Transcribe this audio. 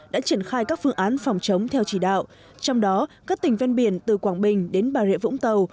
đã triển khai các phương án phòng chống theo chỉ đạo trong đó các tỉnh ven biển từ quảng bình đến bà rịa vũng tàu